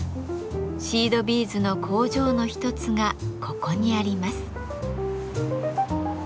シードビーズの工場の一つがここにあります。